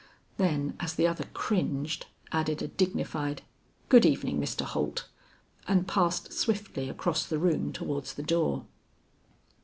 then as the other cringed, added a dignified, "Good evening, Mr. Holt," and passed swiftly across the room towards the door.